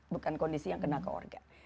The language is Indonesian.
bukan kondisi yang kena ke orga